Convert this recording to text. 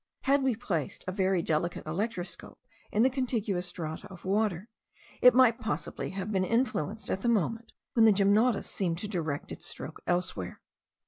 Had we placed a very delicate electroscope in the contiguous strata of water, it might possibly have been influenced at the moment when the gymnotus seemed to direct its stroke elsewhere.